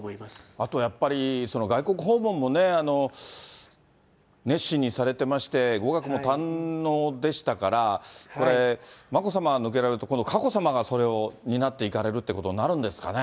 あとやっぱり、外国訪問も熱心にされてまして、語学も堪能でしたから、これ、眞子さまが抜けられると、佳子さまがそれを担っていかれるということになるんですかね。